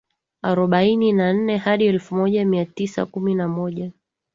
Arobaini na nne hadi elfu moja mia tisa kumi na moja